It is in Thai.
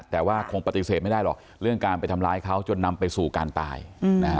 แต่ว่าคงปฏิเสธไม่ได้หรอกเรื่องการไปทำร้ายเขาจนนำไปสู่การตายนะฮะ